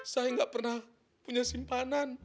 saya nggak pernah punya simpanan